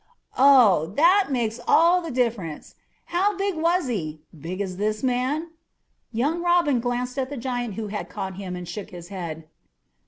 "Oh! that makes all the difference. How big was he big as this man?" Young Robin glanced at the giant who had caught him, and shook his head.